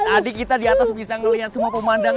tadi kita di atas bisa ngeliat semua pemerintahnya